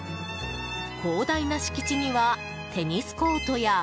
広大な敷地にはテニスコートや。